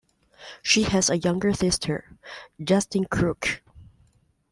She has a younger sister, Justine Kreuk.